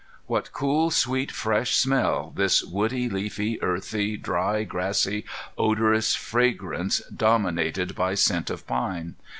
What cool, sweet, fresh smell this woody, leafy, earthy, dry, grassy, odorous fragrance, dominated by scent of pine!